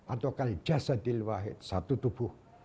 atau kaljasadil wahid satu tubuh